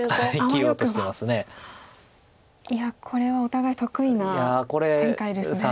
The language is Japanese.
いやこれはお互い得意な展開ですね。